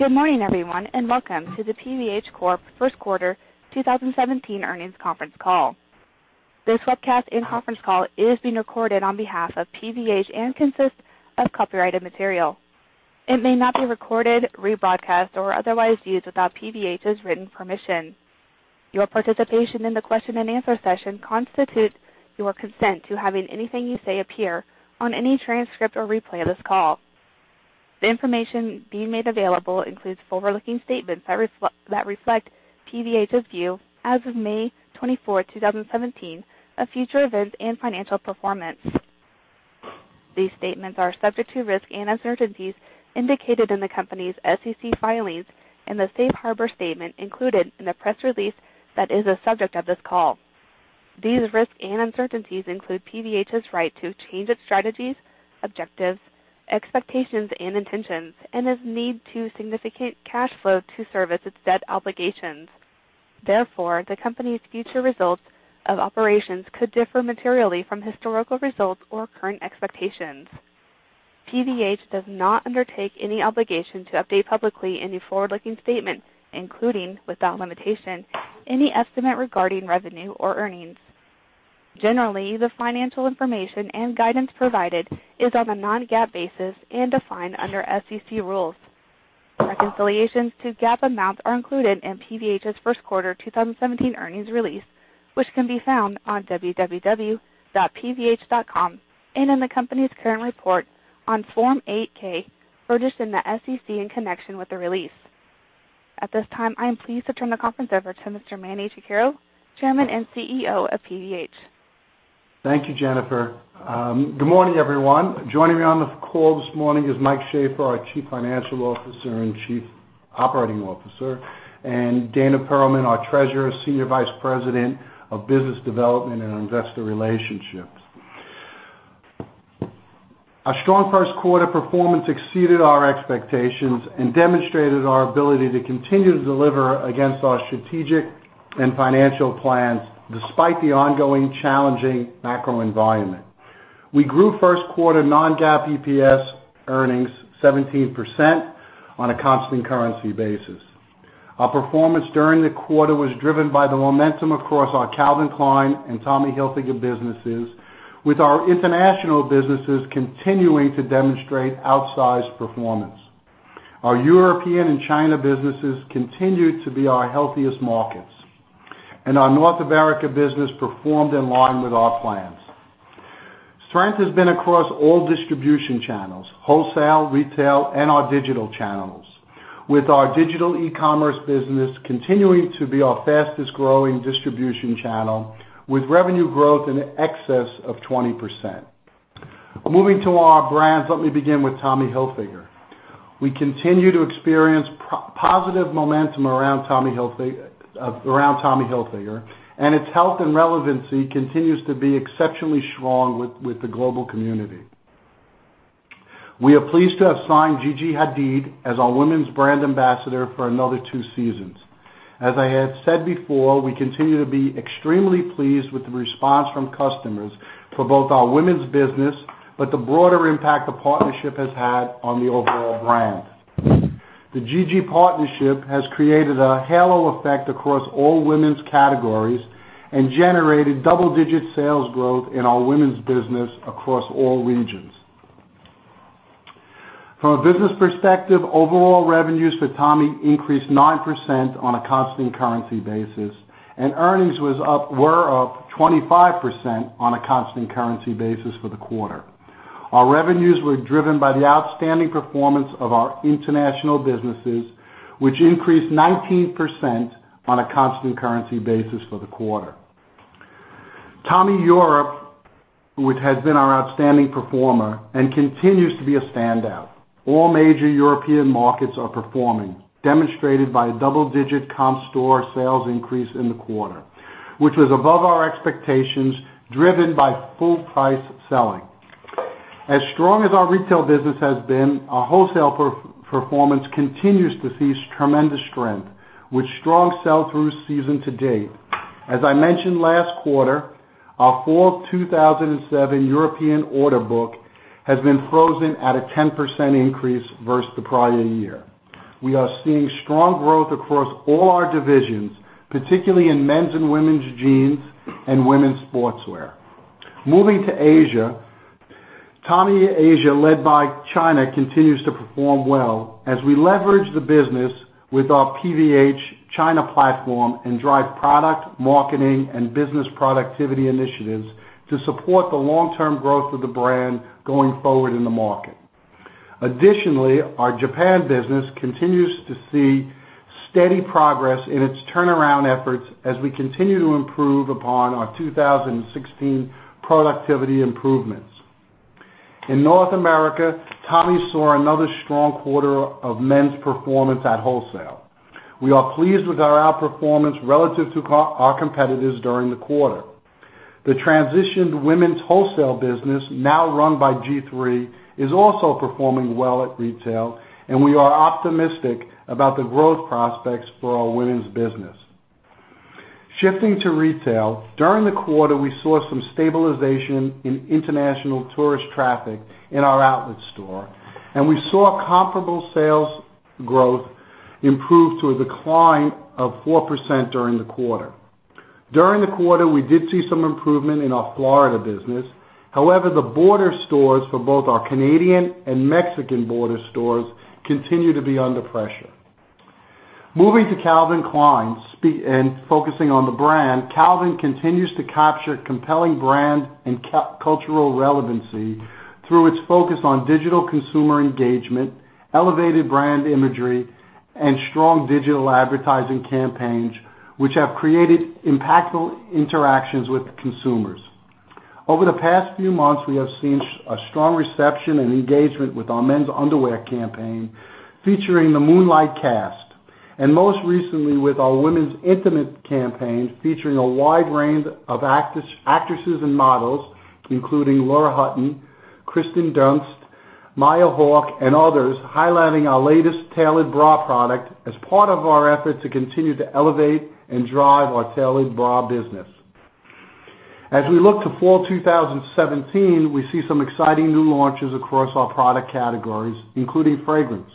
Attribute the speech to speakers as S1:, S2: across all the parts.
S1: Good morning, everyone, welcome to the PVH Corp First Quarter 2017 Earnings Conference Call. This webcast and conference call is being recorded on behalf of PVH and consists of copyrighted material. It may not be recorded, rebroadcast, or otherwise used without PVH's written permission. Your participation in the question and answer session constitutes your consent to having anything you say appear on any transcript or replay of this call. The information being made available includes forward-looking statements that reflect PVH's view as of May 24, 2017, of future events and financial performance. These statements are subject to risks and uncertainties indicated in the company's SEC filings and the safe harbor statement included in the press release that is the subject of this call. These risks and uncertainties include PVH's right to change its strategies, objectives, expectations, and intentions, and its need to significant cash flow to service its debt obligations. Therefore, the company's future results of operations could differ materially from historical results or current expectations. PVH does not undertake any obligation to update publicly any forward-looking statement, including, without limitation, any estimate regarding revenue or earnings. Generally, the financial information and guidance provided is on a non-GAAP basis and defined under SEC rules. Reconciliations to GAAP amounts are included in PVH's first quarter 2017 earnings release, which can be found on www.pvh.com and in the company's current report on Form 8-K registered with the SEC in connection with the release. At this time, I am pleased to turn the conference over to Mr. Manny Chirico, Chairman and CEO of PVH.
S2: Thank you, Jennifer. Good morning, everyone. Joining me on the call this morning is Mike Shaffer, our Chief Financial Officer and Chief Operating Officer, and Dana Perlman, our Treasurer, Senior Vice President of Business Development and Investor Relations. Our strong first quarter performance exceeded our expectations and demonstrated our ability to continue to deliver against our strategic and financial plans, despite the ongoing challenging macro environment. We grew first quarter non-GAAP EPS earnings 17% on a constant currency basis. Our performance during the quarter was driven by the momentum across our Calvin Klein and Tommy Hilfiger businesses, with our international businesses continuing to demonstrate outsized performance. Our European and China businesses continued to be our healthiest markets, and our North America business performed in line with our plans. Strength has been across all distribution channels, wholesale, retail, and our digital channels, with our digital e-commerce business continuing to be our fastest-growing distribution channel, with revenue growth in excess of 20%. Moving to our brands, let me begin with Tommy Hilfiger. We continue to experience positive momentum around Tommy Hilfiger, and its health and relevancy continues to be exceptionally strong with the global community. We are pleased to have signed Gigi Hadid as our women's brand ambassador for another two seasons. As I have said before, we continue to be extremely pleased with the response from customers for both our women's business, but the broader impact the partnership has had on the overall brand. The Gigi partnership has created a halo effect across all women's categories and generated double-digit sales growth in our women's business across all regions. From a business perspective, overall revenues for Tommy increased 9% on a constant currency basis, and earnings were up 25% on a constant currency basis for the quarter. Our revenues were driven by the outstanding performance of our international businesses, which increased 19% on a constant currency basis for the quarter. Tommy Europe, which has been our outstanding performer and continues to be a standout. All major European markets are performing, demonstrated by a double-digit comp store sales increase in the quarter, which was above our expectations, driven by full price selling. As strong as our retail business has been, our wholesale performance continues to see tremendous strength with strong sell-through season to date. As I mentioned last quarter, our fall 2017 European order book has been frozen at a 10% increase versus the prior year. We are seeing strong growth across all our divisions, particularly in men's and women's jeans and women's sportswear. Moving to Asia. Tommy Asia, led by China, continues to perform well as we leverage the business with our PVH China platform and drive product marketing and business productivity initiatives to support the long-term growth of the brand going forward in the market. Additionally, our Japan business continues to see steady progress in its turnaround efforts as we continue to improve upon our 2016 productivity improvements. In North America, Tommy saw another strong quarter of men's performance at wholesale. We are pleased with our outperformance relative to our competitors during the quarter. The transitioned women's wholesale business, now run by G-III, is also performing well at retail, and we are optimistic about the growth prospects for our women's business. Shifting to retail. During the quarter, we saw some stabilization in international tourist traffic in our outlet store, and we saw comparable sales growth improve to a decline of 4% during the quarter. During the quarter, we did see some improvement in our Florida business. However, the border stores for both our Canadian and Mexican border stores continue to be under pressure. Moving to Calvin Klein and focusing on the brand, Calvin Klein continues to capture compelling brand and cultural relevancy through its focus on digital consumer engagement, elevated brand imagery, and strong digital advertising campaigns, which have created impactful interactions with consumers. Over the past few months, we have seen a strong reception and engagement with our men's underwear campaign, featuring the Moonlight cast, and most recently with our women's intimate campaign, featuring a wide range of actresses and models, including Lauren Hutton, Kirsten Dunst, Maya Hawke, and others, highlighting our latest tailored bra product as part of our effort to continue to elevate and drive our tailored bra business. As we look to fall 2017, we see some exciting new launches across our product categories, including fragrance.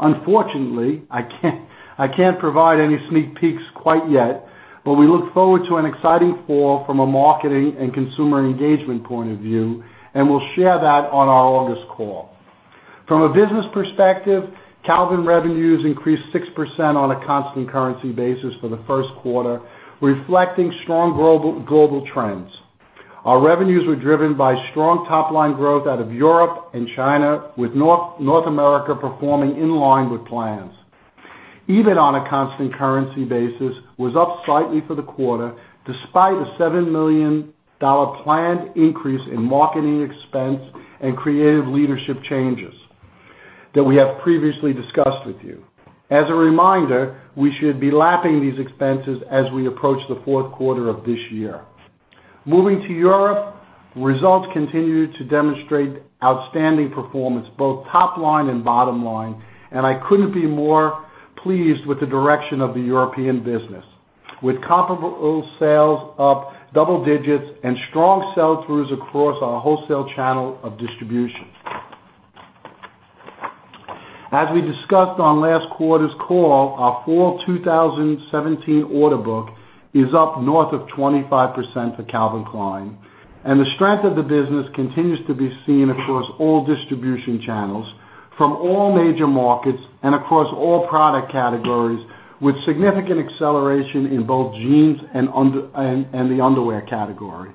S2: Unfortunately, I can't provide any sneak peeks quite yet, but we look forward to an exciting fall from a marketing and consumer engagement point of view, and we'll share that on our August call. From a business perspective, Calvin Klein revenues increased 6% on a constant currency basis for the first quarter, reflecting strong global trends. Our revenues were driven by strong top-line growth out of Europe and China, with North America performing in line with plans. EBIT on a constant currency basis was up slightly for the quarter, despite a $7 million planned increase in marketing expense and creative leadership changes that we have previously discussed with you. As a reminder, we should be lapping these expenses as we approach the fourth quarter of this year. Moving to Europe, results continued to demonstrate outstanding performance, both top line and bottom line. I couldn't be more pleased with the direction of the European business, with comparable sales up double digits and strong sell-throughs across our wholesale channel of distribution. As we discussed on last quarter's call, our fall 2017 order book is up north of 25% for Calvin Klein. The strength of the business continues to be seen across all distribution channels from all major markets and across all product categories, with significant acceleration in both jeans and the underwear category.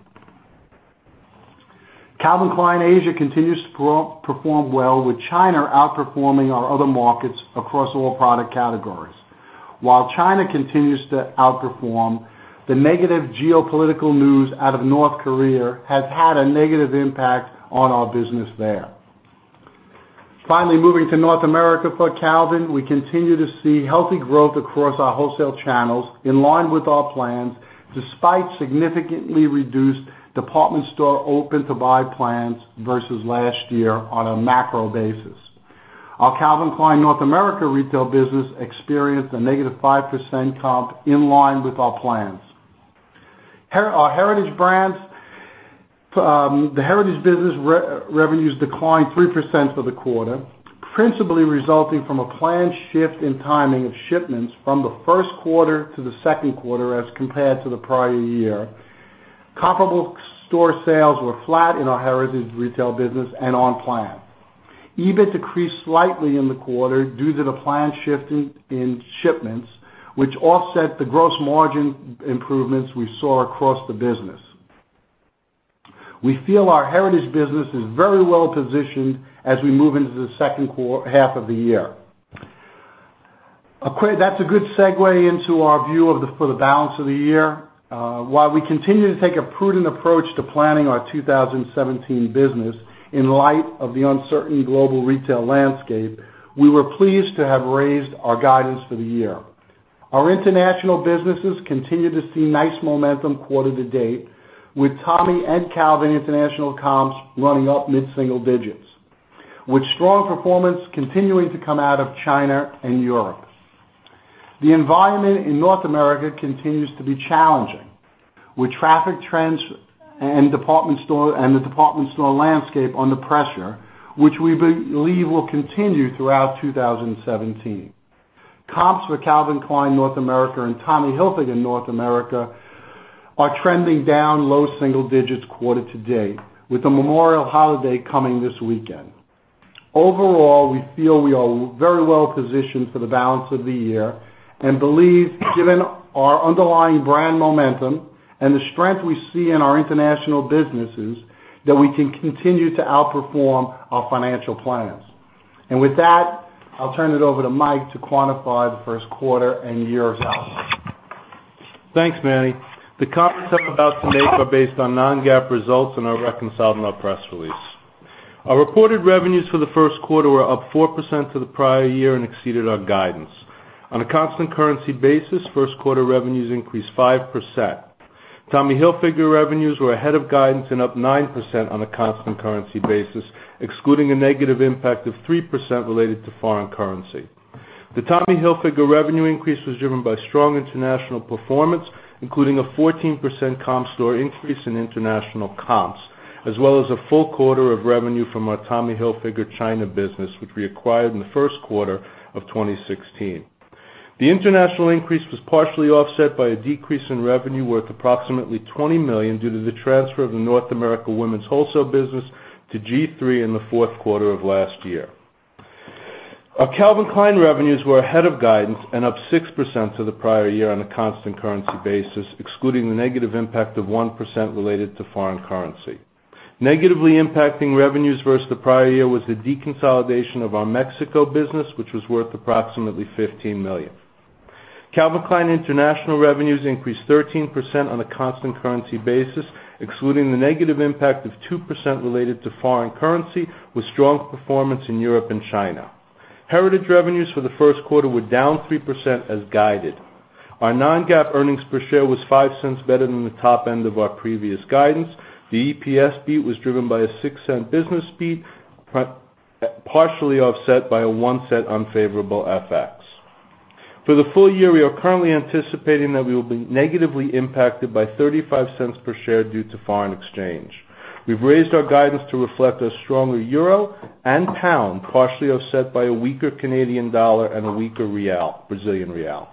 S2: Calvin Klein Asia continues to perform well, with China outperforming our other markets across all product categories. While China continues to outperform, the negative geopolitical news out of North Korea has had a negative impact on our business there. Moving to North America for Calvin, we continue to see healthy growth across our wholesale channels in line with our plans, despite significantly reduced department store open-to-buy plans versus last year on a macro basis. Our Calvin Klein North America retail business experienced a negative 5% comp in line with our plans. Our Heritage brands. The Heritage business revenues declined 3% for the quarter, principally resulting from a planned shift in timing of shipments from the first quarter to the second quarter as compared to the prior year. Comparable store sales were flat in our Heritage retail business and on plan. EBIT decreased slightly in the quarter due to the planned shift in shipments, which offset the gross margin improvements we saw across the business. We feel our Heritage business is very well positioned as we move into the second half of the year. That's a good segue into our view for the balance of the year. While we continue to take a prudent approach to planning our 2017 business in light of the uncertain global retail landscape, we were pleased to have raised our guidance for the year. Our international businesses continue to see nice momentum quarter to date, with Tommy and Calvin international comps running up mid-single digits, with strong performance continuing to come out of China and Europe. The environment in North America continues to be challenging, with traffic trends and the department store landscape under pressure, which we believe will continue throughout 2017. Comps for Calvin Klein North America and Tommy Hilfiger North America are trending down low single digits quarter to date, with the Memorial holiday coming this weekend. Overall, we feel we are very well positioned for the balance of the year. We believe given our underlying brand momentum and the strength we see in our international businesses, that we can continue to outperform our financial plans. With that, I'll turn it over to Mike to quantify the first quarter and year results.
S3: Thanks, Manny. The comments I'm about to make are based on non-GAAP results and are reconciled in our press release. Our reported revenues for the first quarter were up 4% to the prior year and exceeded our guidance. On a constant currency basis, first-quarter revenues increased 5%. Tommy Hilfiger revenues were ahead of guidance and up 9% on a constant currency basis, excluding a negative impact of 3% related to foreign currency. The Tommy Hilfiger revenue increase was driven by strong international performance, including a 14% comp store increase in international comps, as well as a full quarter of revenue from our Tommy Hilfiger China business, which we acquired in the first quarter of 2016. The international increase was partially offset by a decrease in revenue worth approximately $20 million due to the transfer of the North America women's wholesale business to G-III in the fourth quarter of last year. Our Calvin Klein revenues were ahead of guidance and up 6% to the prior year on a constant currency basis, excluding the negative impact of 1% related to foreign currency. Negatively impacting revenues versus the prior year was the deconsolidation of our Mexico business, which was worth approximately $15 million. Calvin Klein international revenues increased 13% on a constant currency basis, excluding the negative impact of 2% related to foreign currency, with strong performance in Europe and China. Heritage revenues for the first quarter were down 3% as guided. Our non-GAAP earnings per share was $0.05 better than the top end of our previous guidance. The EPS beat was driven by a $0.06 business beat, partially offset by a $0.01 unfavorable FX. For the full year, we are currently anticipating that we will be negatively impacted by $0.35 per share due to foreign exchange. We've raised our guidance to reflect a stronger EUR and GBP, partially offset by a weaker CAD and a weaker BRL.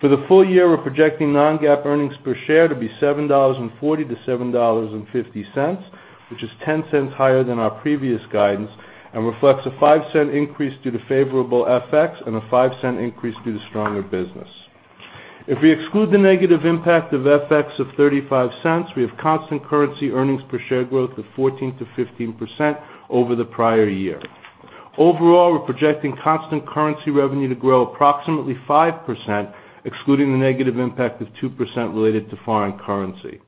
S3: For the full year, we're projecting non-GAAP earnings per share to be $7.40-$7.50, which is $0.10 higher than our previous guidance and reflects a $0.05 increase due to favorable FX and a $0.05 increase due to stronger business. If we exclude the negative impact of FX of $0.35, we have constant currency earnings per share growth of 14%-15% over the prior year. Overall, we're projecting constant currency revenue to grow approximately 5%, excluding the negative impact of 2% related to foreign currency.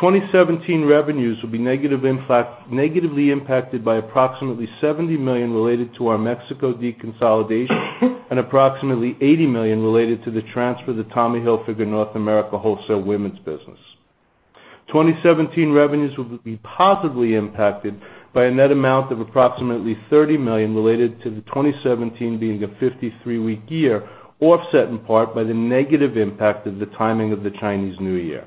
S3: 2017 revenues will be negatively impacted by approximately $70 million related to our Mexico deconsolidation and approximately $80 million related to the transfer of the Tommy Hilfiger North America wholesale women's business. 2017 revenues will be positively impacted by a net amount of approximately $30 million related to the 2017 being a 53-week year, offset in part by the negative impact of the timing of the Chinese New Year.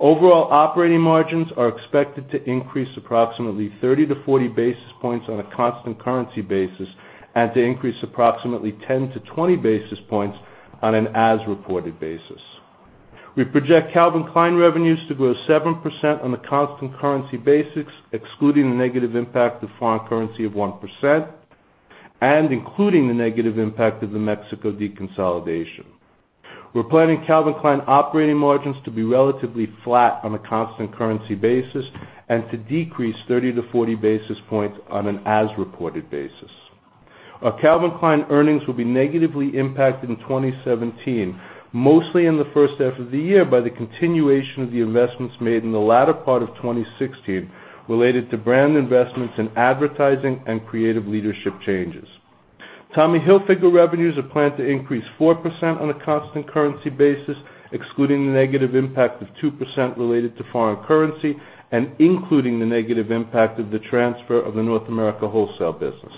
S3: Overall operating margins are expected to increase approximately 30-40 basis points on a constant currency basis, and to increase approximately 10-20 basis points on an as-reported basis. We project Calvin Klein revenues to grow 7% on the constant currency basis, excluding the negative impact of foreign currency of 1% and including the negative impact of the Mexico deconsolidation. We're planning Calvin Klein operating margins to be relatively flat on a constant currency basis and to decrease 30-40 basis points on an as-reported basis. Our Calvin Klein earnings will be negatively impacted in 2017, mostly in the first half of the year, by the continuation of the investments made in the latter part of 2016 related to brand investments in advertising and creative leadership changes. Tommy Hilfiger revenues are planned to increase 4% on a constant currency basis, excluding the negative impact of 2% related to foreign currency and including the negative impact of the transfer of the North America wholesale business.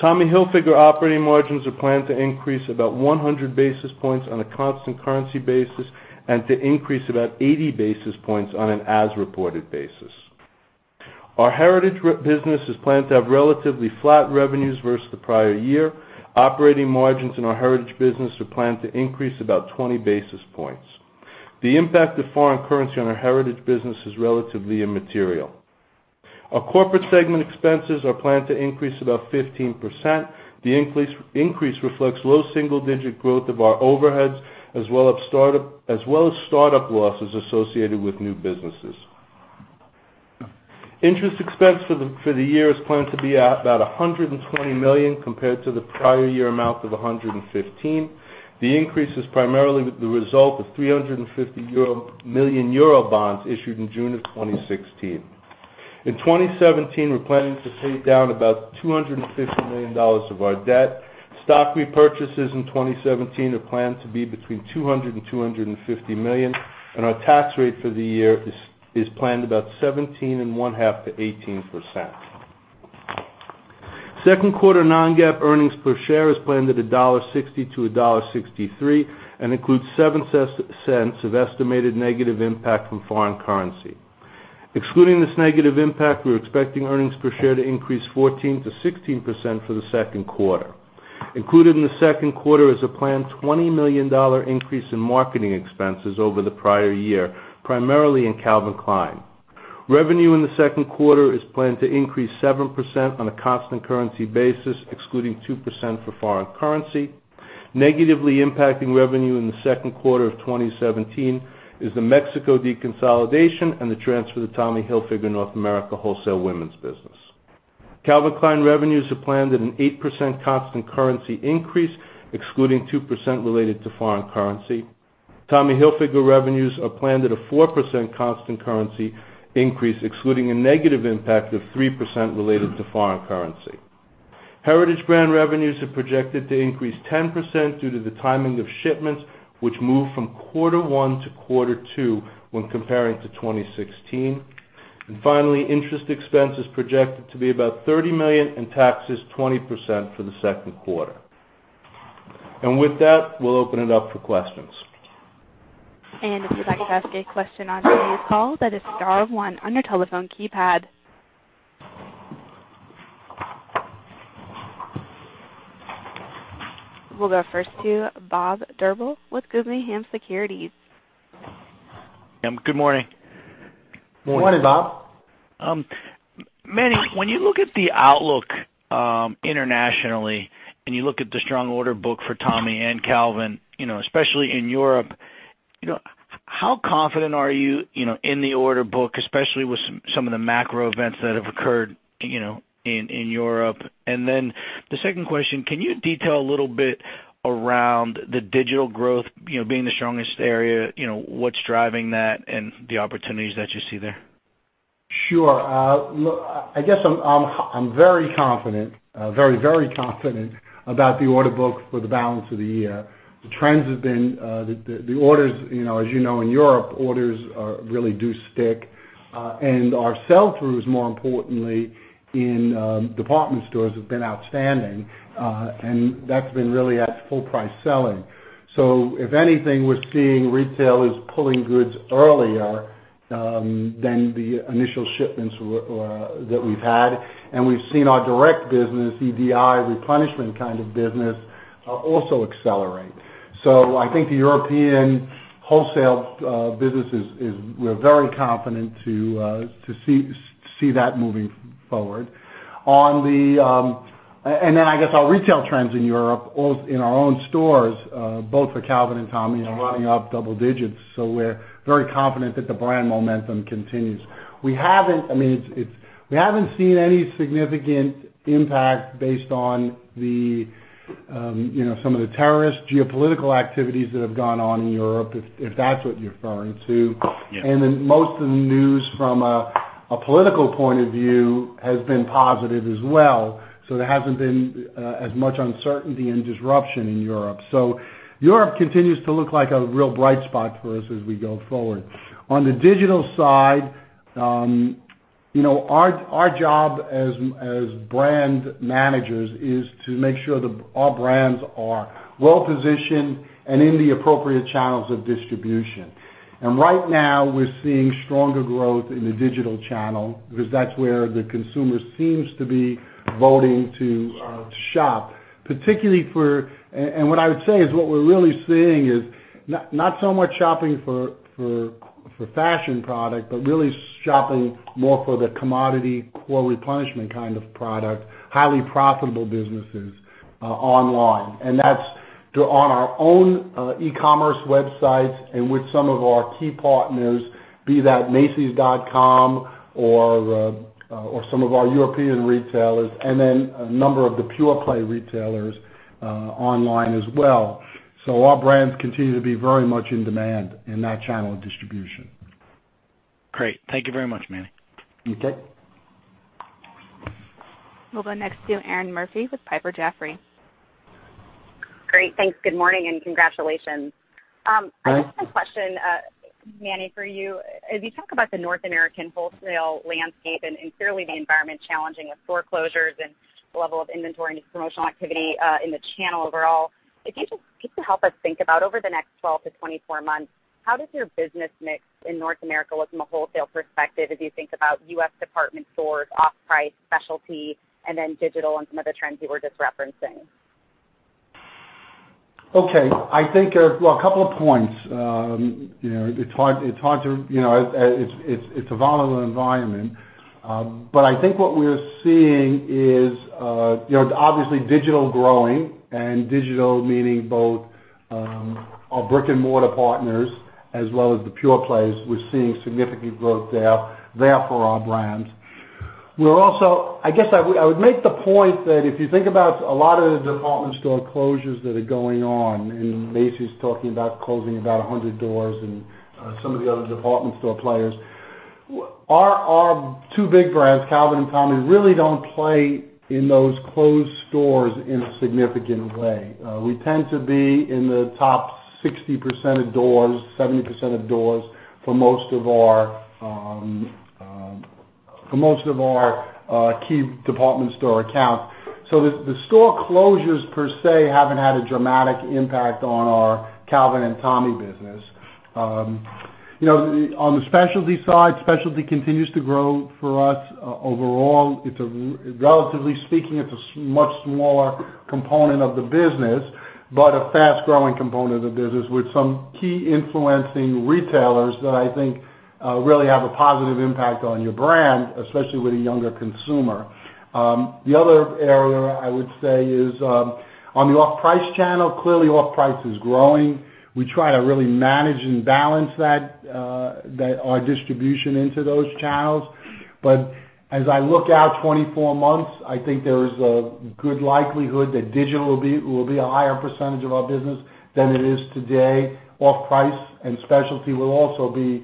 S3: Tommy Hilfiger operating margins are planned to increase about 100 basis points on a constant currency basis and to increase about 80 basis points on an as-reported basis. Our Heritage business is planned to have relatively flat revenues versus the prior year. Operating margins in our Heritage business are planned to increase about 20 basis points. The impact of foreign currency on our Heritage business is relatively immaterial. Our corporate segment expenses are planned to increase about 15%. The increase reflects low single-digit growth of our overheads as well as startup losses associated with new businesses. Interest expense for the year is planned to be at about $120 million, compared to the prior year amount of $115 million. The increase is primarily the result of 350 million euro bonds issued in June 2016. In 2017, we're planning to pay down about $250 million of our debt. Stock repurchases in 2017 are planned to be between $200 million and $250 million, and our tax rate for the year is planned about 17.5%-18%. Second quarter non-GAAP earnings per share is planned at $1.60-$1.63 and includes $0.07 of estimated negative impact from foreign currency. Excluding this negative impact, we're expecting earnings per share to increase 14%-16% for the second quarter. Included in the second quarter is a planned $20 million increase in marketing expenses over the prior year, primarily in Calvin Klein. Revenue in the second quarter is planned to increase 7% on a constant currency basis, excluding 2% for foreign currency. Negatively impacting revenue in the second quarter of 2017 is the Mexico deconsolidation and the transfer to Tommy Hilfiger North America wholesale women's business. Calvin Klein revenues are planned at an 8% constant currency increase, excluding 2% related to foreign currency. Tommy Hilfiger revenues are planned at a 4% constant currency increase, excluding a negative impact of 3% related to foreign currency. Heritage brand revenues are projected to increase 10% due to the timing of shipments, which moved from quarter one to quarter two when comparing to 2016. Finally, interest expense is projected to be about $30 million, and taxes 20% for the second quarter. With that, we'll open it up for questions.
S1: If you'd like to ask a question on today's call, that is star one on your telephone keypad. We'll go first to Bob Drbul with Guggenheim Securities.
S4: Good morning.
S2: Morning. Morning, Bob.
S4: Manny, when you look at the outlook internationally, and you look at the strong order book for Tommy and Calvin, especially in Europe, how confident are you in the order book, especially with some of the macro events that have occurred in Europe? Then the second question, can you detail a little bit around the digital growth being the strongest area? What's driving that and the opportunities that you see there?
S2: Sure. I guess I'm very confident about the order book for the balance of the year. The orders, as you know, in Europe, orders really do stick. Our sell-throughs, more importantly, in department stores have been outstanding. That's been really at full price selling. If anything, we're seeing retailers pulling goods earlier than the initial shipments that we've had. We've seen our direct business, EDI replenishment kind of business, also accelerate. I think the European wholesale business. We're very confident to see that moving forward. I guess our retail trends in Europe, in our own stores, both for Calvin and Tommy, are running up double digits. We're very confident that the brand momentum continues. We haven't seen any significant impact based on some of the terrorist geopolitical activities that have gone on in Europe, if that's what you're referring to.
S4: Yeah.
S2: Most of the news from a political point of view has been positive as well. There hasn't been as much uncertainty and disruption in Europe. Europe continues to look like a real bright spot for us as we go forward. On the digital side, our job as brand managers is to make sure that all brands are well-positioned and in the appropriate channels of distribution. Right now, we're seeing stronger growth in the digital channel because that's where the consumer seems to be voting to shop, what I would say is what we're really seeing is not so much shopping for fashion product, but really shopping more for the commodity core replenishment kind of product, highly profitable businesses online. That's on our own e-commerce websites and with some of our key partners, be that macys.com or some of our European retailers, a number of the pure play retailers online as well. Our brands continue to be very much in demand in that channel of distribution.
S4: Great. Thank you very much, Manny.
S2: Okay.
S1: We'll go next to Erinn Murphy with Piper Jaffray.
S5: Great. Thanks. Good morning, and congratulations.
S2: Thanks.
S5: I have a question, Manny, for you. As you talk about the North American wholesale landscape, clearly the environment challenging with store closures and level of inventory and promotional activity in the channel overall, if you just help us think about over the next 12 to 24 months, how does your business mix in North America look from a wholesale perspective as you think about U.S. department stores, off price, specialty, and then digital and some of the trends you were just referencing?
S2: Okay. I think, well, a couple of points. It's a volatile environment. I think what we're seeing is, obviously digital growing and digital meaning both our brick-and-mortar partners as well as the pure plays. We're seeing significant growth there for our brands. I guess I would make the point that if you think about a lot of the department store closures that are going on, and Macy's talking about closing about 100 doors and some of the other department store players. Our two big brands, Calvin and Tommy, really don't play in those closed stores in a significant way. We tend to be in the top 60% of doors, 70% of doors for most of our key department store accounts. The store closures per se haven't had a dramatic impact on our Calvin and Tommy business. On the specialty side, specialty continues to grow for us. Overall, relatively speaking, it's a much smaller component of the business, but a fast-growing component of the business with some key influencing retailers that I think really have a positive impact on your brand, especially with a younger consumer. The other area I would say is on the off price channel. Clearly, off price is growing. We try to really manage and balance our distribution into those channels. As I look out 24 months, I think there is a good likelihood that digital will be a higher percentage of our business than it is today. Off price and specialty will also be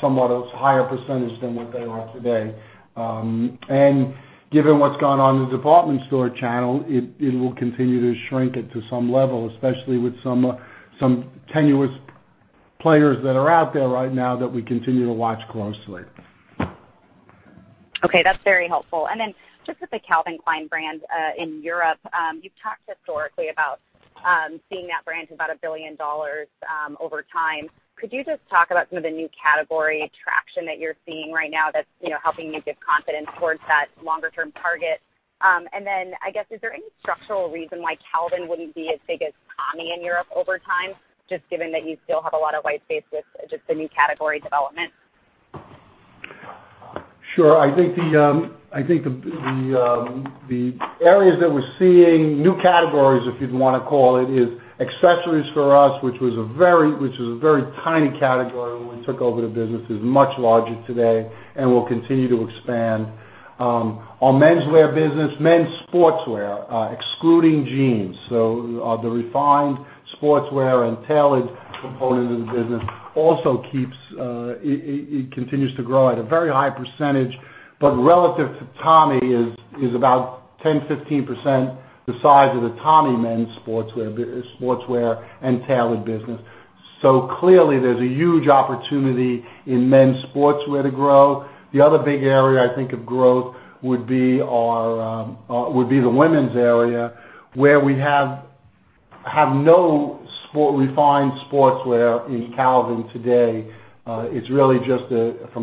S2: somewhat a higher % than what they are today. Given what's gone on in the department store channel, it will continue to shrink it to some level, especially with some tenuous players that are out there right now that we continue to watch closely.
S5: Okay, that's very helpful. Just with the Calvin Klein brand, in Europe, you've talked historically about seeing that brand about $1 billion over time. Could you just talk about some of the new category traction that you're seeing right now that's helping you give confidence towards that longer-term target? I guess, is there any structural reason why Calvin wouldn't be as big as Tommy in Europe over time, just given that you still have a lot of white space with just the new category development?
S2: Sure. I think the areas that we're seeing, new categories, if you'd want to call it, is accessories for us, which was a very tiny category when we took over the business. It's much larger today, and will continue to expand. Our menswear business, men's sportswear, excluding jeans. The refined sportswear and tailored component of the business also continues to grow at a very high %. Relative to Tommy is about 10%, 15% the size of the Tommy men's sportswear and tailored business. Clearly, there's a huge opportunity in men's sportswear to grow. The other big area, I think, of growth would be the women's area, where we have no refined sportswear in Calvin today. From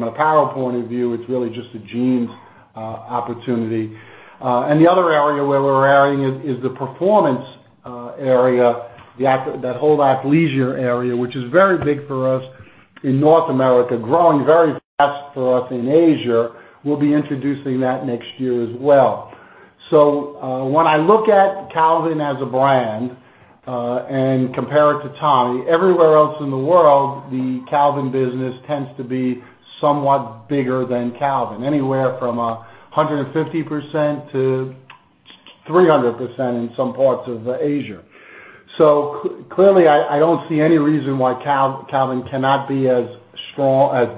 S2: an apparel point of view, it's really just a jeans opportunity. The other area where we're adding is the performance area, that whole athleisure area, which is very big for us in North America, growing very fast for us in Asia. We'll be introducing that next year as well. When I look at Calvin as a brand, and compare it to Tommy, everywhere else in the world, the Calvin business tends to be somewhat bigger than Calvin. Anywhere from 150%-300% in some parts of Asia. Clearly, I don't see any reason why Calvin cannot be as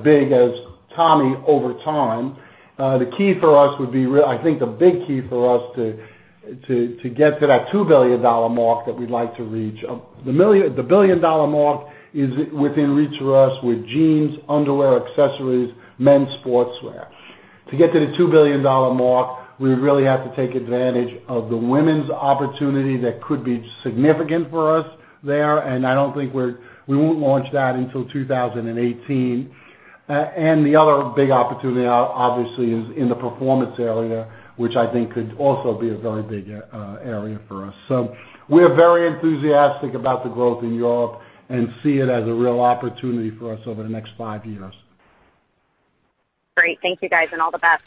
S2: big as Tommy over time. I think the big key for us to get to that $2 billion mark that we'd like to reach. The $1 billion mark is within reach for us with jeans, underwear, accessories, men's sportswear. To get to the $2 billion mark, we really have to take advantage of the women's opportunity that could be significant for us there, and we won't launch that until 2018. The other big opportunity, obviously, is in the performance area, which I think could also be a very big area for us. We're very enthusiastic about the growth in Europe and see it as a real opportunity for us over the next five years.
S5: Great. Thank you guys, and all the best.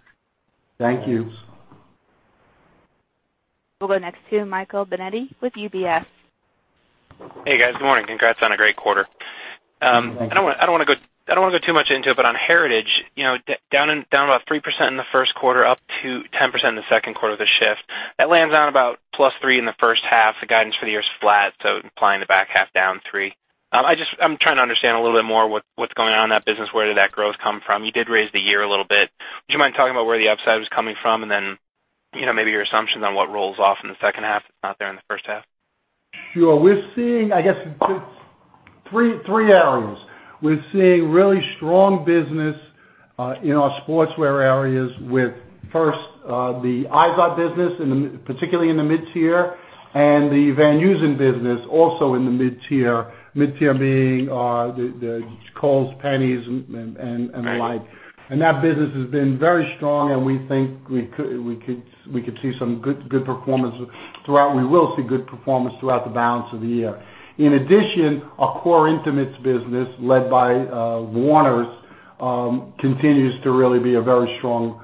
S2: Thank you.
S1: We'll go next to Michael Binetti with UBS.
S6: Hey, guys. Good morning. Congrats on a great quarter.
S2: Thank you.
S6: I don't want to go too much into it, on Heritage, down about 3% in the first quarter, up to 10% in the second quarter with a shift. That lands on about plus three in the first half. The guidance for the year is flat, implying the back half down three. I'm trying to understand a little bit more what's going on in that business. Where did that growth come from? You did raise the year a little bit. Would you mind talking about where the upside was coming from? Maybe your assumptions on what rolls off in the second half that's not there in the first half.
S2: Sure. We're seeing, I guess, three areas. We're seeing really strong business in our sportswear areas with, first, the IZOD business, particularly in the mid-tier, and the Van Heusen business also in the mid-tier. Mid-tier being Kohl's, JCPenney, and the like. That business has been very strong, and we think we could see some good performance throughout. We will see good performance throughout the balance of the year. In addition, our core intimates business, led by Warner's, continues to really be a very strong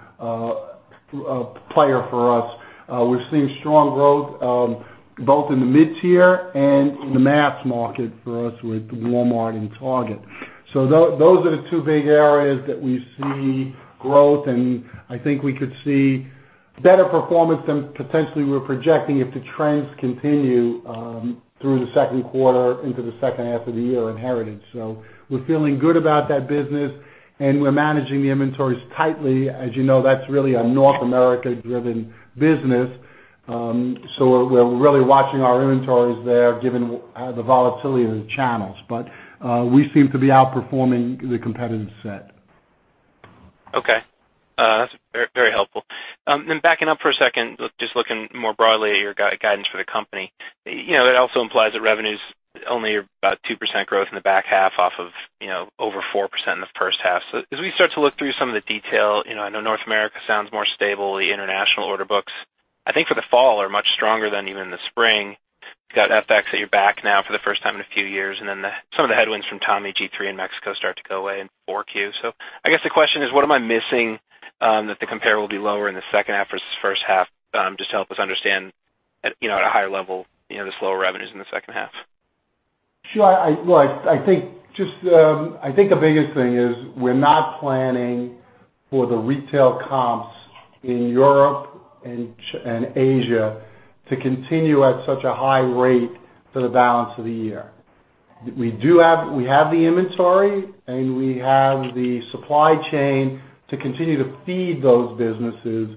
S2: player for us. We're seeing strong growth both in the mid-tier and in the mass market for us with Walmart and Target. Those are the two big areas that we see growth, and I think we could see better performance than potentially we're projecting if the trends continue through the second quarter into the second half of the year in Heritage. We're feeling good about that business, and we're managing the inventories tightly. As you know, that's really a North America-driven business. We're really watching our inventories there given the volatility of the channels. We seem to be outperforming the competitive set.
S6: Okay. That's very helpful. Backing up for a second, just looking more broadly at your guidance for the company. It also implies that revenue's only about 2% growth in the back half off of over 4% in the first half. As we start to look through some of the detail, I know North America sounds more stable. The international order books, I think, for the fall are much stronger than even the spring. You've got FX at your back now for the first time in a few years, and some of the headwinds from Tommy, G-III, and Mexico start to go away in 4Q. I guess the question is, what am I missing that the compare will be lower in the second half versus first half? Just help us understand at a higher level, the slower revenues in the second half.
S2: Sure. I think the biggest thing is we're not planning for the retail comps in Europe and Asia to continue at such a high rate for the balance of the year. We have the inventory, and we have the supply chain to continue to feed those businesses.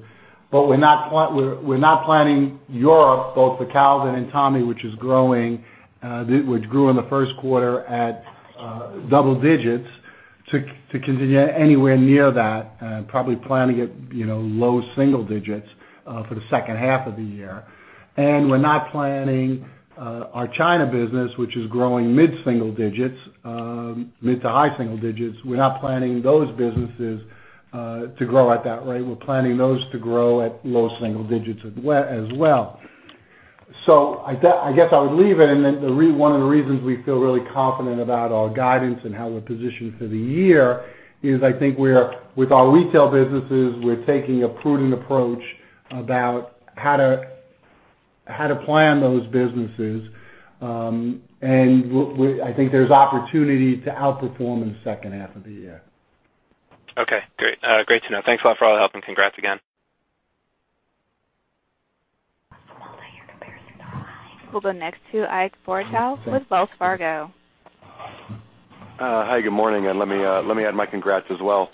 S2: We're not planning Europe, both the Calvin and Tommy, which grew in the first quarter at double digits, to continue anywhere near that. Probably planning at low single digits for the second half of the year. We're not planning our China business, which is growing mid to high single digits, we're not planning those businesses to grow at that rate. We're planning those to grow at low single digits as well. I guess I would leave it. One of the reasons we feel really confident about our guidance and how we're positioned for the year is, I think with our retail businesses, we're taking a prudent approach about how to plan those businesses. I think there's opportunity to outperform in the second half of the year.
S6: Okay, great. Great to know. Thanks a lot for all the help. Congrats again.
S1: We'll go next to Ike Boruchow with Wells Fargo.
S7: Hi, good morning. Let me add my congrats as well.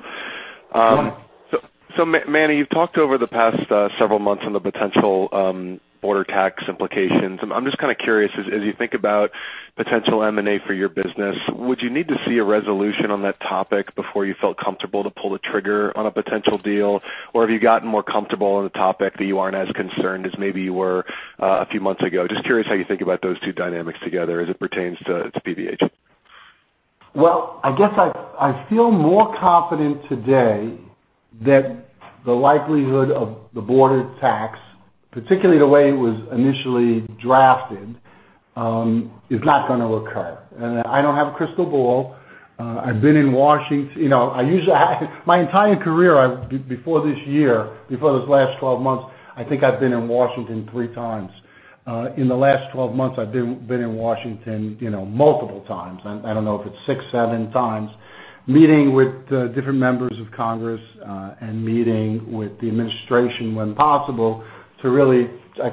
S2: Sure.
S7: Manny, you've talked over the past several months on the potential border tax implications. I'm just curious, as you think about potential M&A for your business, would you need to see a resolution on that topic before you felt comfortable to pull the trigger on a potential deal? Or have you gotten more comfortable on the topic that you aren't as concerned as maybe you were a few months ago? Just curious how you think about those two dynamics together as it pertains to PVH.
S2: Well, I guess I feel more confident today that the likelihood of the border tax, particularly the way it was initially drafted, is not going to occur. I don't have a crystal ball. My entire career, before this year, before this last 12 months, I think I've been in Washington three times. In the last 12 months, I've been in Washington multiple times. I don't know if it's six, seven times, meeting with different members of Congress, and meeting with the administration, when possible, to really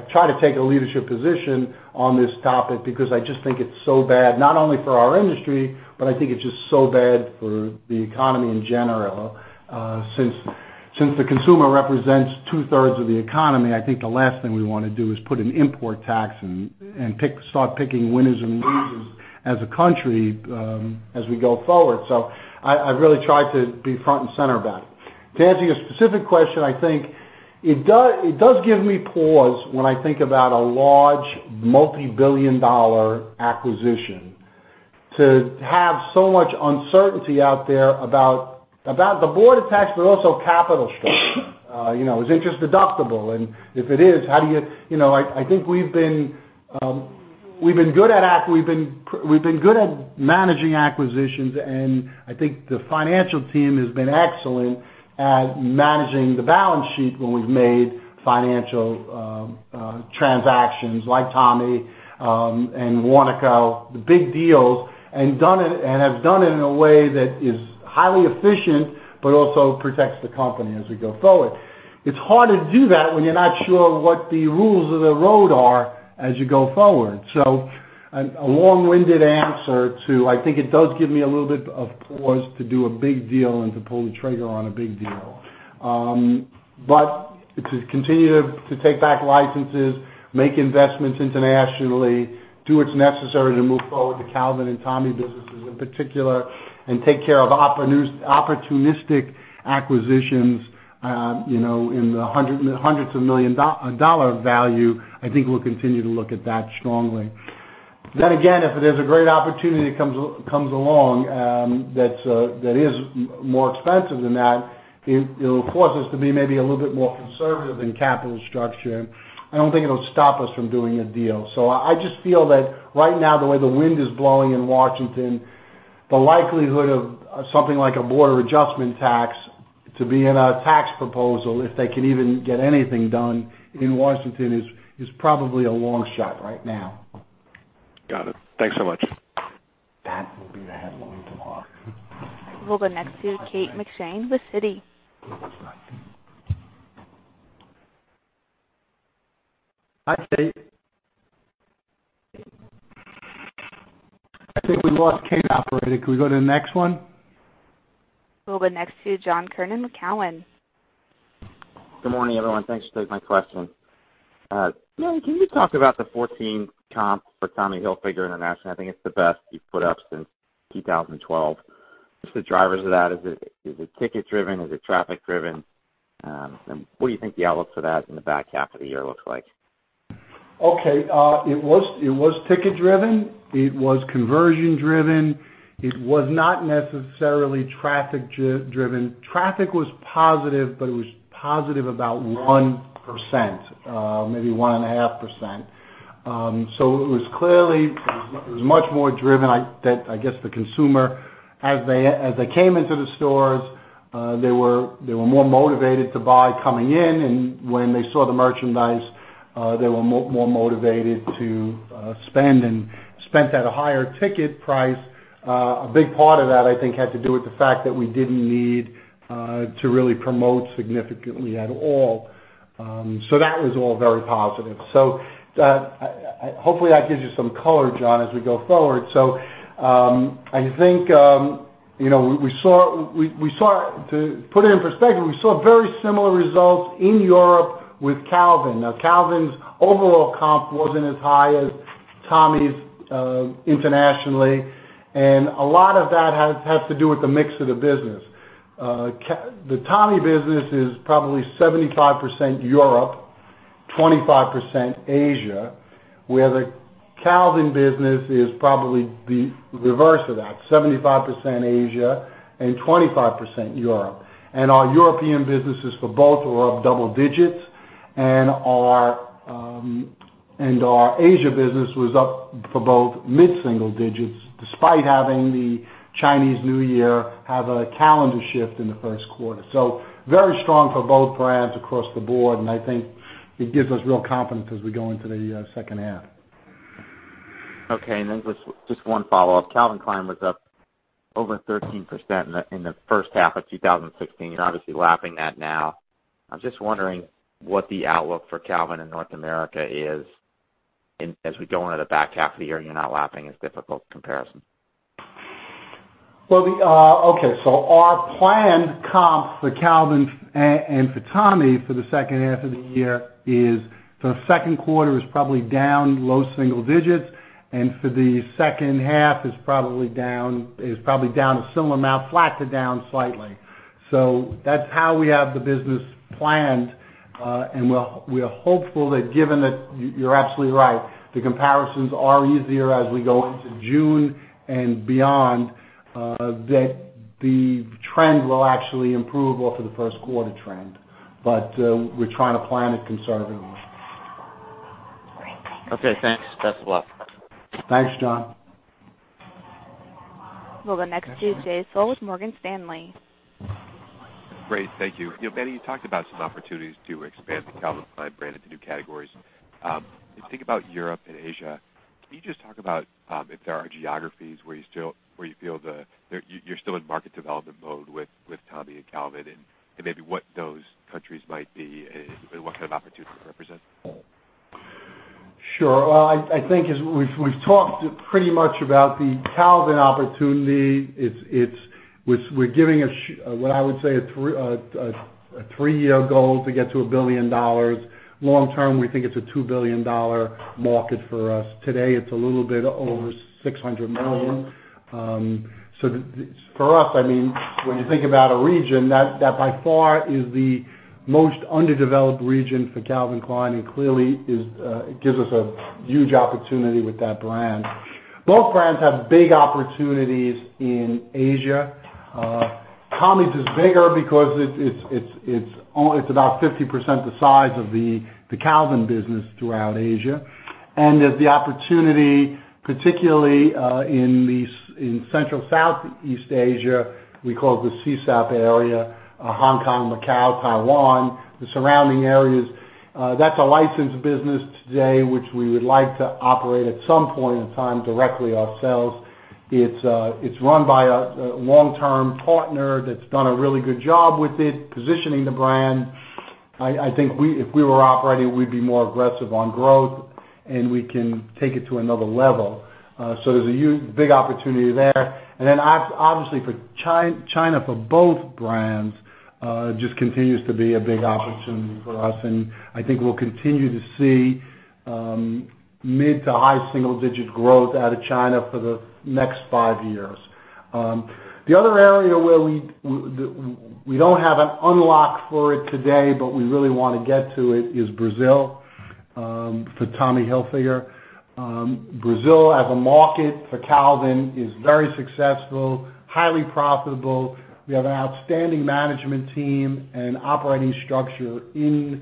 S2: try to take a leadership position on this topic, because I just think it's so bad. Not only for our industry, but I think it's just so bad for the economy in general. Since the consumer represents two-thirds of the economy, I think the last thing we want to do is put an import tax in and start picking winners and losers as a country as we go forward. I've really tried to be front and center about it. To answer your specific question, I think it does give me pause when I think about a large multi-billion dollar acquisition to have so much uncertainty out there about the border tax, but also capital structure. Is interest deductible? If it is, I think we've been good at managing acquisitions, and I think the financial team has been excellent at managing the balance sheet when we've made financial transactions like Tommy and Warnaco, the big deals, and have done it in a way that is highly efficient, but also protects the company as we go forward. It's hard to do that when you're not sure what the rules of the road are as you go forward. A long-winded answer to, I think it does give me a little bit of pause to do a big deal and to pull the trigger on a big deal. To continue to take back licenses, make investments internationally, do what's necessary to move forward the Calvin and Tommy businesses in particular, and take care of opportunistic acquisitions in the hundreds of million dollar value, I think we'll continue to look at that strongly. Again, if there's a great opportunity that comes along that is more expensive than that, it'll force us to be maybe a little bit more conservative in capital structure. I don't think it'll stop us from doing a deal. I just feel that right now, the way the wind is blowing in Washington, the likelihood of something like a border adjustment tax to be in a tax proposal, if they can even get anything done in Washington, is probably a long shot right now.
S7: Got it. Thanks so much.
S2: That will be the headline tomorrow.
S1: We'll go next to Kate McShane with Citi.
S2: Hi, Kate. I think we lost Kate, operator. Could we go to the next one?
S1: We'll go next to John Kernan with Cowen.
S8: Good morning, everyone. Thanks. Here's my question. Manny, can you talk about the 14 comps for Tommy Hilfiger International? I think it's the best you've put up since 2012. What's the drivers of that? Is it ticket driven? Is it traffic driven? What do you think the outlook for that in the back half of the year looks like?
S2: Okay. It was ticket driven. It was conversion driven. It was not necessarily traffic driven. Traffic was positive, but it was positive about 1%, maybe 1.5%. It was clearly much more driven that, I guess, the consumer, as they came into the stores, they were more motivated to buy coming in. When they saw the merchandise, they were more motivated to spend and spent at a higher ticket price. A big part of that, I think, had to do with the fact that we didn't need to really promote significantly at all. That was all very positive. Hopefully that gives you some color, John, as we go forward. To put it in perspective, we saw very similar results in Europe with Calvin. Calvin's overall comp wasn't as high as Tommy's internationally, and a lot of that has to do with the mix of the business. The Tommy business is probably 75% Europe, 25% Asia, where the Calvin business is probably the reverse of that, 75% Asia and 25% Europe. Our European businesses for both were up double digits, and our Asia business was up for both mid-single digits, despite having the Chinese New Year have a calendar shift in the first quarter. Very strong for both brands across the board, and I think it gives us real confidence as we go into the second half.
S8: Okay. Then just one follow-up. Calvin Klein was up over 13% in the first half of 2016, obviously lapping that now. I'm just wondering what the outlook for Calvin in North America is, as we go into the back half of the year and you're not lapping as difficult comparison.
S2: Okay, our planned comp for Calvin and for Tommy for the second half of the year is, for the second quarter is probably down low single digits, for the second half is probably down a similar amount, flat to down slightly. That's how we have the business planned, we are hopeful that given that, you're absolutely right, the comparisons are easier as we go into June and beyond, that the trend will actually improve off of the first quarter trend. We're trying to plan it conservatively.
S8: Great. Thanks.
S2: Okay, thanks. Best of luck. Thanks, John.
S1: Well, the next few days. [inaudible] with Morgan Stanley.
S9: Great. Thank you. [You barely] talked about some opportunities to expand the Calvin Klein brand into new categories. If you think about Europe and Asia, can you just talk about if there are geographies where you feel that you're still in market development mode with Tommy and Calvin, and maybe what those countries might be and what kind of opportunities represent?
S2: Sure. I think as we've talked pretty much about the Calvin opportunity, we're giving what I would say, a three-year goal to get to $1 billion. Long term, we think it's a $2 billion market for us. Today, it's a little bit over $600 million. For us, when you think about a region, that by far is the most underdeveloped region for Calvin Klein and clearly it gives us a huge opportunity with that brand. Both brands have big opportunities in Asia. Tommy's is bigger because it's about 50% the size of the Calvin business throughout Asia. There's the opportunity, particularly in Central Southeast Asia, we call it the CSAP area, Hong Kong, Macau, Taiwan, the surrounding areas. That's a licensed business today, which we would like to operate at some point in time directly ourselves. It's run by a long-term partner that's done a really good job with it, positioning the brand. I think if we were operating, we'd be more aggressive on growth, and we can take it to another level. There's a big opportunity there. Obviously for China, for both brands, just continues to be a big opportunity for us, and I think we'll continue to see mid to high single-digit growth out of China for the next five years. The other area where we don't have an unlock for it today, but we really want to get to it is Brazil for Tommy Hilfiger. Brazil as a market for Calvin Klein is very successful, highly profitable. We have an outstanding management team and operating structure in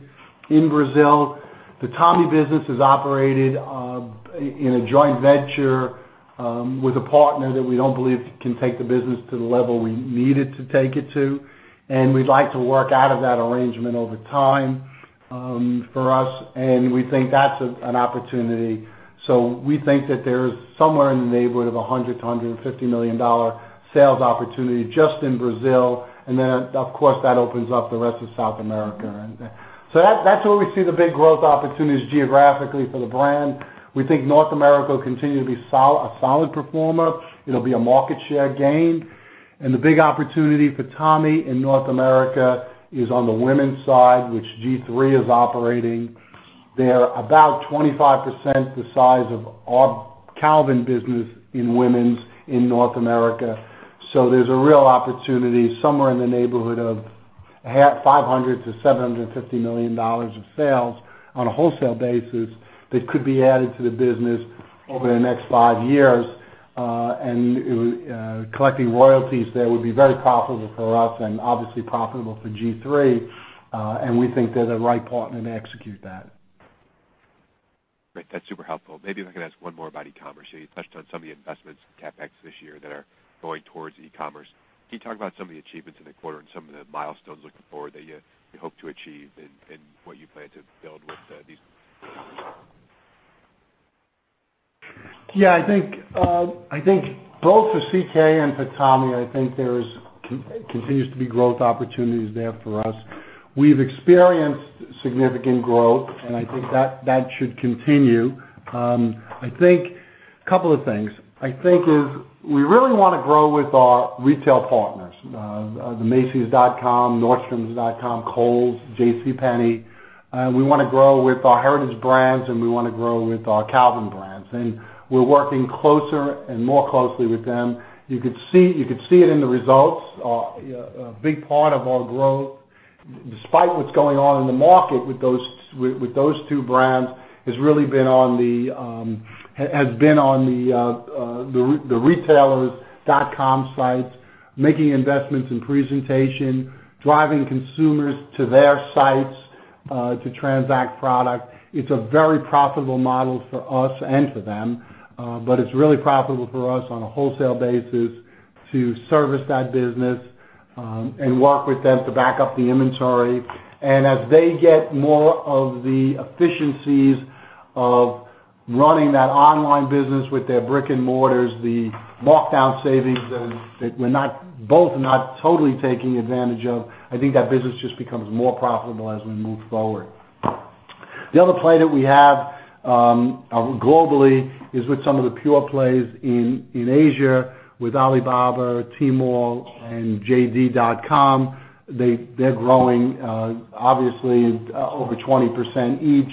S2: Brazil. The Tommy business is operated in a joint venture with a partner that we don't believe can take the business to the level we need it to take it to, and we'd like to work out of that arrangement over time for us, and we think that's an opportunity. We think that there's somewhere in the neighborhood of $100 million-$150 million sales opportunity just in Brazil, and of course, that opens up the rest of South America. That's where we see the big growth opportunities geographically for the brand. We think North America will continue to be a solid performer. It'll be a market share gain. The big opportunity for Tommy Hilfiger in North America is on the women's side, which G-III is operating. They're about 25% the size of our Calvin Klein business in women's in North America. There's a real opportunity somewhere in the neighborhood of $500 million-$750 million of sales on a wholesale basis that could be added to the business over the next five years. Collecting royalties there would be very profitable for us and obviously profitable for G-III. We think they're the right partner to execute that.
S9: Great. That's super helpful. Maybe if I could ask one more about e-commerce. You touched on some of the investments in CapEx this year that are going towards e-commerce. Can you talk about some of the achievements in the quarter and some of the milestones looking forward that you hope to achieve and what you plan to build with these?
S2: Yeah, I think both for CK and for Tommy, there continues to be growth opportunities there for us. We've experienced significant growth, and I think that should continue. I think, couple of things, is we really want to grow with our retail partners, the macys.com, nordstrom.com, Kohl's, JCPenney. We want to grow with our heritage brands, and we want to grow with our Calvin brands. We're working closer and more closely with them. You could see it in the results. A big part of our growth, despite what's going on in the market with those two brands, has been on the retailers' dot.com sites, making investments in presentation, driving consumers to their sites, to transact product. It's a very profitable model for us and for them. It's really profitable for us on a wholesale basis to service that business, and work with them to back up the inventory. As they get more of the efficiencies of running that online business with their brick and mortars, the markdown savings that we're both not totally taking advantage of, I think that business just becomes more profitable as we move forward. The other play that we have, globally, is with some of the pure plays in Asia with Alibaba, Tmall, and JD.com. They're growing, obviously, over 20% each.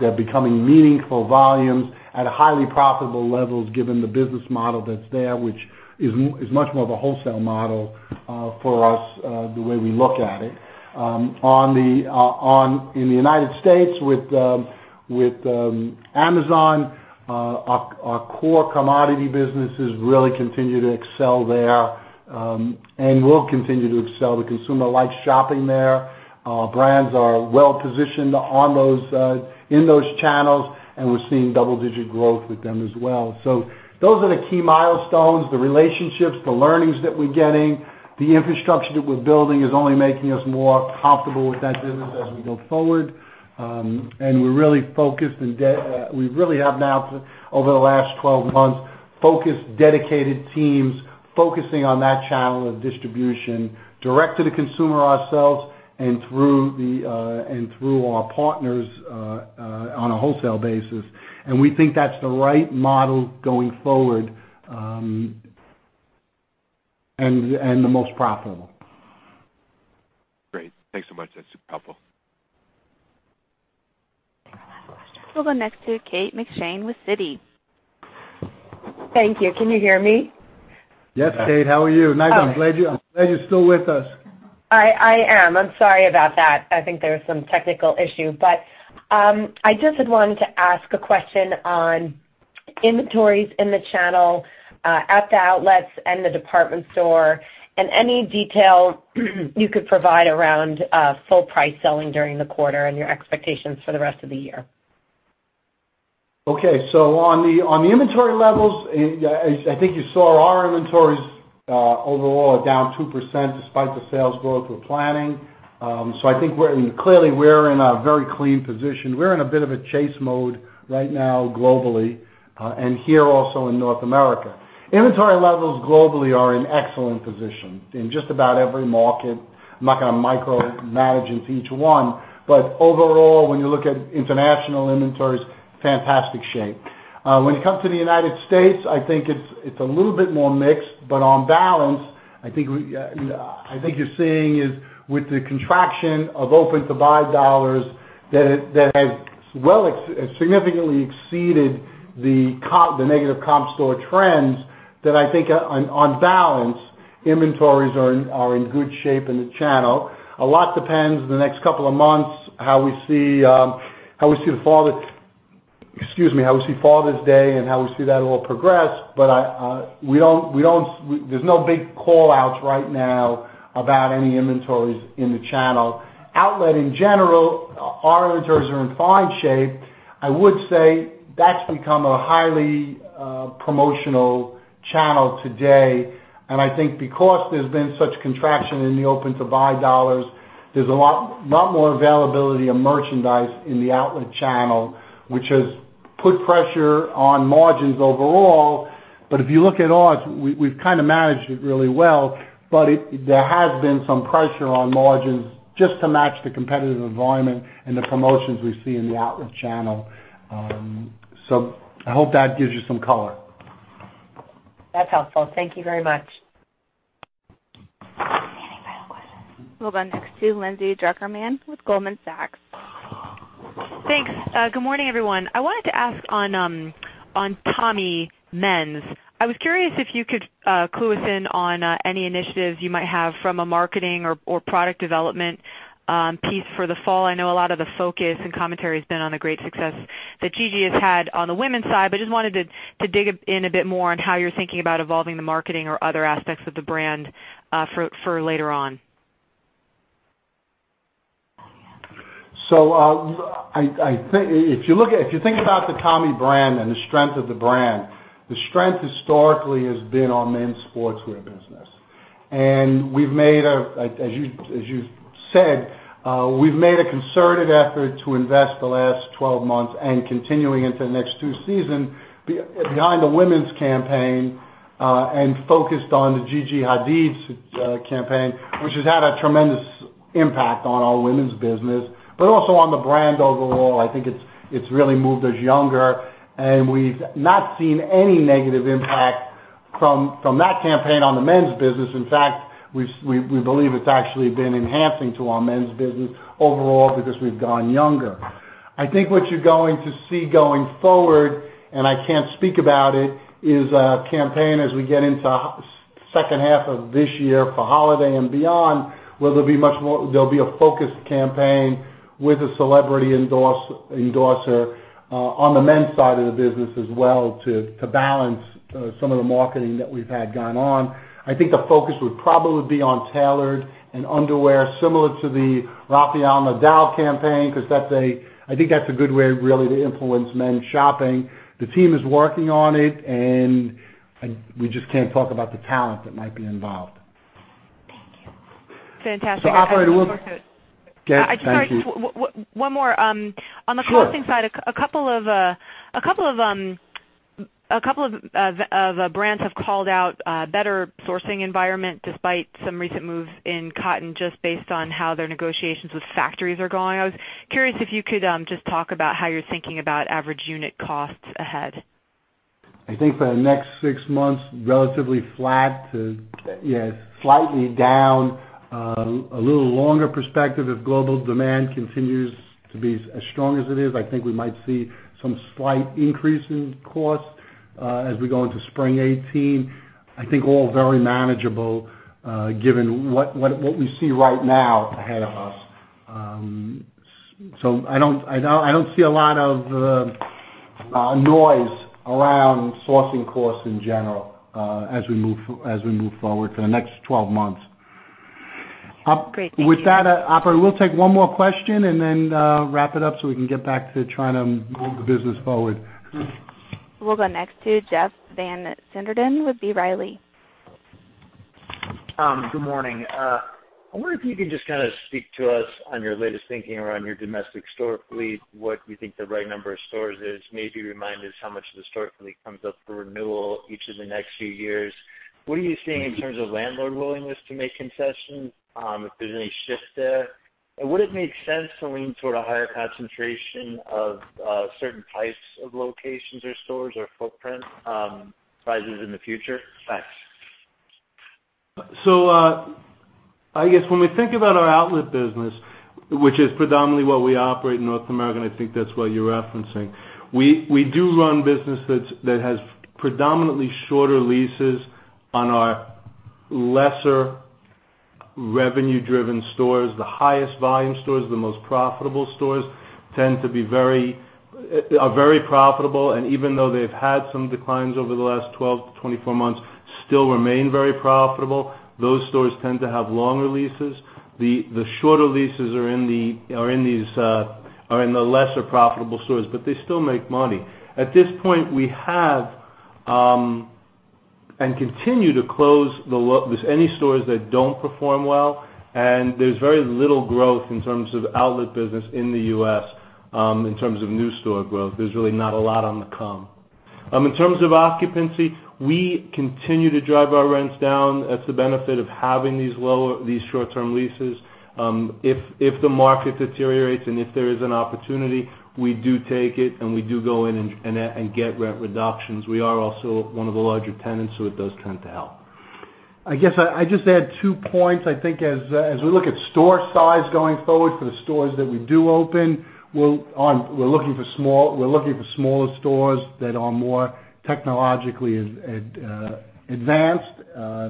S2: They're becoming meaningful volumes at highly profitable levels given the business model that's there, which is much more of a wholesale model for us, the way we look at it. In the U.S. with Amazon, our core commodity businesses really continue to excel there, and will continue to excel. The consumer likes shopping there. Our brands are well-positioned in those channels, and we're seeing double-digit growth with them as well. Those are the key milestones, the relationships, the learnings that we're getting. The infrastructure that we're building is only making us more comfortable with that business as we move forward. We really have now, over the last 12 months, focused, dedicated teams focusing on that channel of distribution direct to the consumer ourselves and through our partners, on a wholesale basis. We think that's the right model going forward, and the most profitable.
S9: Great. Thanks so much. That's super helpful.
S1: I think our last question. We'll go next to Kate McShane with Citi.
S10: Thank you. Can you hear me?
S2: Yes, Kate. How are you? Nice. I'm glad you're still with us.
S10: I am. I'm sorry about that. I think there was some technical issue. I just had wanted to ask a question on inventories in the channel, at the outlets and the department store, and any detail you could provide around full price selling during the quarter and your expectations for the rest of the year.
S2: On the inventory levels, I think you saw our inventories overall are down 2% despite the sales growth we are planning. I think clearly, we are in a very clean position. We are in a bit of a chase mode right now globally, and here also in North America. Inventory levels globally are in excellent position in just about every market. I am not going to micromanage into each one. Overall, when you look at international inventories, fantastic shape. When you come to the U.S., I think it is a little bit more mixed, but on balance, I think you are seeing is with the contraction of open-to-buy dollars that has significantly exceeded the negative comp store trends that I think on balance, inventories are in good shape in the channel. A lot depends the next couple of months, how we see Father's Day and how we see that all progress. There is no big call-outs right now about any inventories in the channel. Outlet in general, our inventories are in fine shape. I would say that has become a highly promotional channel today, and I think because there has been such contraction in the open-to-buy dollars, there is a lot more availability of merchandise in the outlet channel, which has put pressure on margins overall. If you look at ours, we have kind of managed it really well, but there has been some pressure on margins just to match the competitive environment and the promotions we see in the outlet channel. I hope that gives you some color.
S10: That is helpful. Thank you very much.
S1: Any final questions? We will go next to Lindsay Drucker Mann with Goldman Sachs.
S11: Thanks. Good morning, everyone. I wanted to ask on Tommy Men's. I was curious if you could clue us in on any initiatives you might have from a marketing or product development piece for the fall. I know a lot of the focus and commentary has been on the great success that Gigi has had on the women's side. Just wanted to dig in a bit more on how you're thinking about evolving the marketing or other aspects of the brand for later on.
S2: If you think about the Tommy brand and the strength of the brand, the strength historically has been our men's sportswear business. As you said, we've made a concerted effort to invest the last 12 months and continuing into the next two seasons behind the women's campaign and focused on the Gigi Hadid's campaign, which has had a tremendous impact on our women's business, but also on the brand overall. I think it's really moved us younger, and we've not seen any negative impact from that campaign on the men's business. In fact, we believe it's actually been enhancing to our men's business overall because we've gone younger. I think what you're going to see going forward, and I can't speak about it, is a campaign as we get into second half of this year for holiday and beyond, where there'll be a focused campaign with a celebrity endorser on the men's side of the business as well, to balance some of the marketing that we've had going on. I think the focus would probably be on tailored and underwear similar to the Rafael Nadal campaign, because I think that's a good way, really, to influence men's shopping. The team is working on it, and we just can't talk about the talent that might be involved.
S1: Thank you.
S11: Fantastic.
S2: operator.
S11: I'm sorry.
S2: Thank you.
S11: One more.
S2: Sure.
S11: On the costing side, a couple of brands have called out better sourcing environment despite some recent moves in cotton, just based on how their negotiations with factories are going. I was curious if you could just talk about how you're thinking about average unit costs ahead.
S2: I think for the next six months, relatively flat to slightly down. A little longer perspective, if global demand continues to be as strong as it is, I think we might see some slight increase in costs as we go into spring 2018. I think all very manageable, given what we see right now ahead of us. I don't see a lot of noise around sourcing costs in general as we move forward for the next 12 months.
S11: Great. Thank you.
S2: With that, operator, we'll take one more question and then wrap it up so we can get back to trying to move the business forward.
S1: We'll go next to Jeff Van Sinderen with B. Riley.
S12: Good morning. I wonder if you could just speak to us on your latest thinking around your domestic store fleet, what you think the right number of stores is. Maybe remind us how much of the store fleet comes up for renewal each of the next few years. What are you seeing in terms of landlord willingness to make concessions, if there's any shift there? Would it make sense to lean toward a higher concentration of certain types of locations or stores or footprint sizes in the future? Thanks.
S2: I guess when we think about our outlet business, which is predominantly what we operate in North America, and I think that's what you're referencing. We do run business that has predominantly shorter leases on our lesser revenue-driven stores. The highest volume stores, the most profitable stores, are very profitable, and even though they've had some declines over the last 12 to 24 months, still remain very profitable. Those stores tend to have longer leases. The shorter leases are in the lesser profitable stores, but they still make money. At this point, we have and continue to close any stores that don't perform well, and there's very little growth in terms of outlet business in the U.S. in terms of new store growth. There's really not a lot on the come. In terms of occupancy, we continue to drive our rents down. That's the benefit of having these short-term leases. If the market deteriorates and if there is an opportunity, we do take it, and we do go in and get rent reductions. We are also one of the larger tenants. It does tend to help. I guess I just add 2 points. I think as we look at store size going forward for the stores that we do open, we're looking for smaller stores that are more technologically advanced,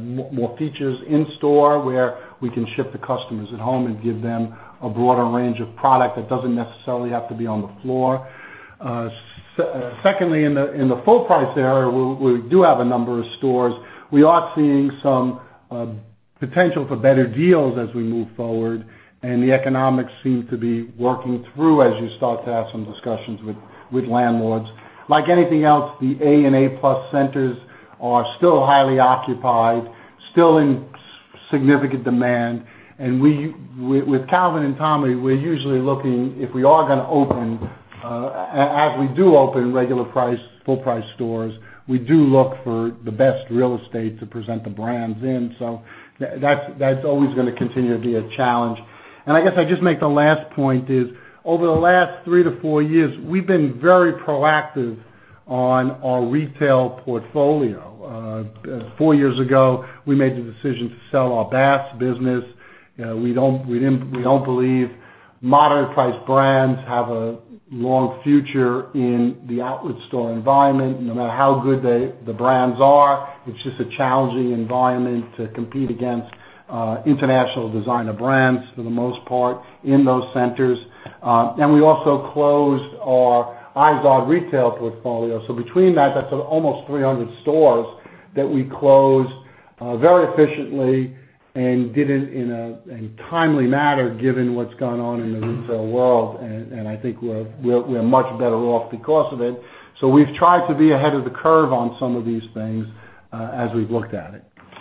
S2: more features in store where we can ship the customers at home and give them a broader range of product that doesn't necessarily have to be on the floor. Secondly, in the full price area, we do have a number of stores. We are seeing some potential for better deals as we move forward. The economics seem to be working through as you start to have some discussions with landlords. Like anything else, the A and A+ centers are still highly occupied, still in significant demand. With Calvin and Tommy, we're usually looking, if we are going to open, as we do open regular price, full price stores, we do look for the best real estate to present the brands in. That's always going to continue to be a challenge. I guess I'd just make the last point is, over the last three to four years, we've been very proactive on our retail portfolio. Four years ago, we made the decision to sell our Bass business. We don't believe moderate priced brands have a long future in the outlet store environment. No matter how good the brands are, it's just a challenging environment to compete against international designer brands for the most part in those centers. We also closed our IZOD retail portfolio. Between that's almost 300 stores that we closed very efficiently and did it in a timely manner given what's gone on in the retail world. I think we're much better off because of it. We've tried to be ahead of the curve on some of these things as we've looked at it.